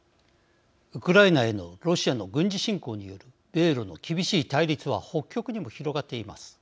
ウクライナへのロシアの軍事侵攻による米ロの厳しい対立は北極にも広がっています。